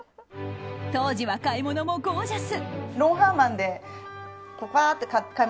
当時は買い物もゴージャス。